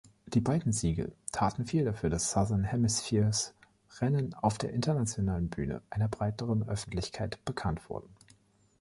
Diese beiden Siege taten viel dafür, dass Southern Hemispheres Rennen auf der internationalen Bühne einer breiteren Öffentlichkeit bekannt wurden.